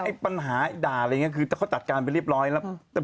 ไอ้ปัญหาไอ้ด่าอะไรอย่างนี้คือเขาจัดการไปริบร้อยแล้ว